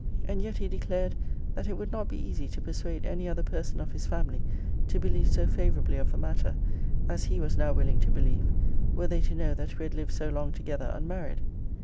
And yet he declared, that it would not be easy to persuade any other person of his family to believe so favourably of the matter, as he was now willing to believe, were they to know that we had lived so long together unmarried.